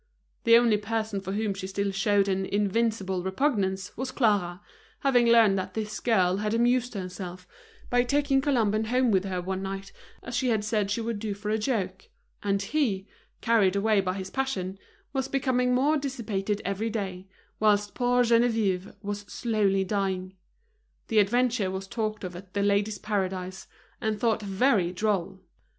The only person for whom she still showed an invincible repugnance was Clara, having learned that this girl had amused herself by taking Colomban home with her one night as she had said she would do for a joke; and he, carried away by his passion, was becoming more dissipated every day, whilst poor Geneviève was slowly dying. The adventure was talked of at The Ladies' Paradise, and thought very droll.